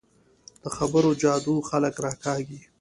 د خبرو جادو خلک راکاږي